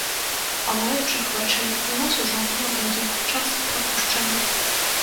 Палаючых вачэй у нас ужо не будзе, час прапушчаны.